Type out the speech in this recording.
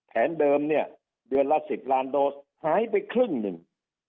แผนเดิมเนี่ยเดือนละ๑๐ล้านโดสหายไปครึ่งหนึ่ง